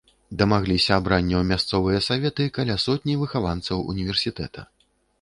Дамагліся абрання ў мясцовыя саветы каля сотні выхаванцаў універсітэта.